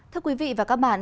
thưa quý vị và các bạn